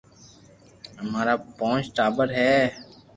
امارآ پونچ ٽاٻر ھي